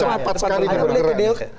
cepat sekali bergerak